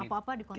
apa apa di konten